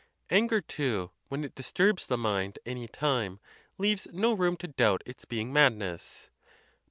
Anger, too, when it disturbs the mind any time, leaves no room to doubt its being madness: by the